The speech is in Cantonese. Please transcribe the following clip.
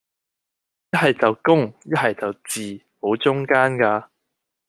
一係就公,一係就字,無中間架